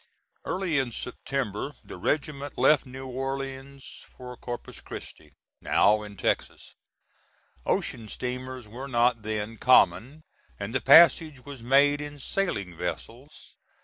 Early in September the regiment left New Orleans for Corpus Christi, now in Texas. Ocean steamers were not then common, and the passage was made in sailing vessels.